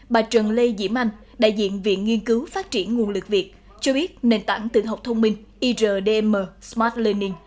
bà trần lê diễm anh đại diện viện nghiên cứu phát triển nguồn lực việt cho biết nền tảng tự học thông minh irdmm smart lening